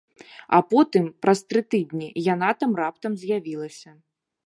А потым, праз тры дні, яна там раптам з'явілася.